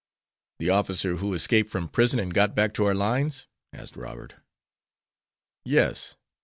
"The officer who escaped from prison and got back to our lines?" asked Robert. "Yes.